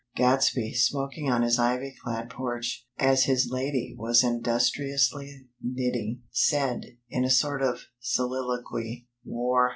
Gadsby, smoking on his ivy clad porch, as his Lady was industriously knitting, said, in a sort of soliloquy: "War!